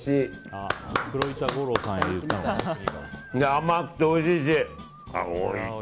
甘くておいしいし。